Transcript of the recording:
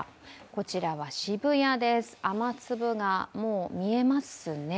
こちらは渋谷です、雨粒が見えますね。